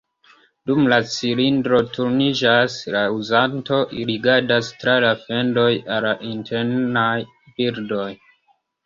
Dum la cilindro turniĝas, la uzanto rigardas tra la fendoj al la internaj bildoj.